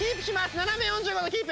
斜め４５度キープ。